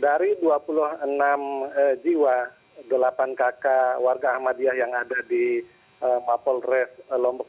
dari dua puluh enam jiwa delapan kakak warga ahmadiyah yang ada di mapolres lombok